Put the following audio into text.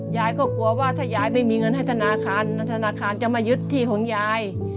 ยายก็กลัวว่าถ้ายายไม่มีเงินให้ธนาคารธนาคารจะมายึดที่ของยาย